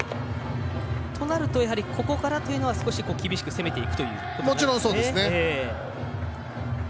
となると、やはりここからというのは少し厳しく攻めていくということですね。